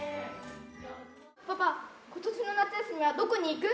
パパ今年の夏休みはどこに行く？